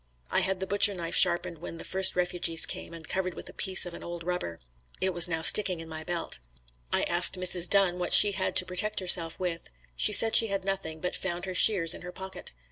I had the butcher knife sharpened when the first refugees came and covered with a piece of an old rubber. It was now sticking in my belt. I asked Mrs. Dunn what she had to protect herself with. She said she had nothing, but found her shears in her pocket.